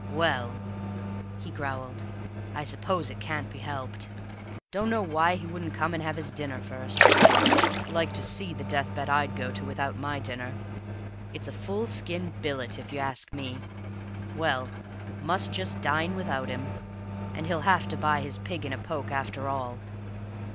"Well," he growled, "I suppose it can't be helped. Don't know why he couldn't come and have his dinner first. Like to see the death bed I'D go to without MY dinner; it's a full skin billet, if you ask me. Well, must just dine without him, and he'll have to buy his pig in a poke after all.